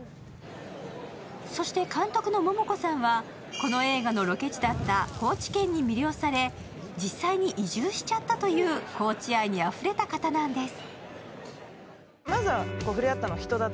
そして監督の桃子さんはこの映画のロケ地だった高知県に魅了され実際に移住しちゃったという高知愛にあふれた方なんです。